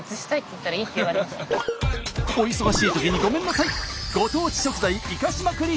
お忙しいときにごめんなさい。